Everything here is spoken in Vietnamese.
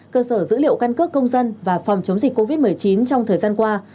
cơ sở dữ liệu căn cước công dân và phòng chống dịch covid một mươi chín trong thời gian qua